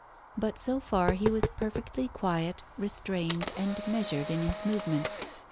But so far he was perfectly quiet, restrained, and measured in his movements.